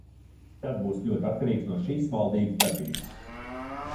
Tas būs ļoti atkarīgs no šīs valdības darbības.